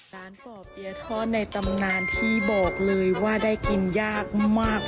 ป่อเปียทอดในตำนานที่บอกเลยว่าได้กินยากมาก